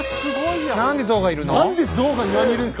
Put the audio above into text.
何でゾウがいるの？